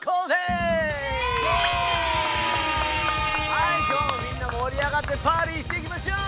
はい今日もみんな盛り上がってパーティーしていきましょう！